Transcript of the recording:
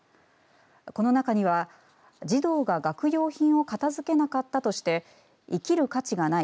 この中には児童が学用品を片づけなかったとして生きる価値がない。